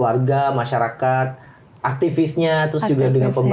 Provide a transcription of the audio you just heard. warga masyarakat aktivisnya terus juga dengan pemerintah